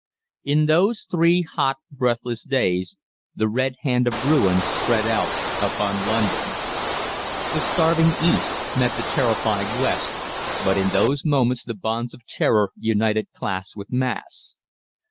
In those three hot, breathless days the Red Hand of Ruin spread out upon London. The starving East met the terrified West, but in those moments the bonds of terror united class with mass.